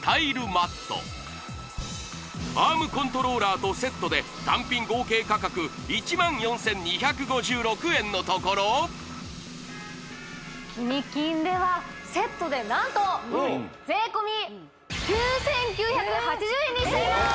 マットアームコントローラーとセットで単品合計価格１万４２５６円のところ「キニ金」ではセットでなんと税込９９８０円にしちゃいます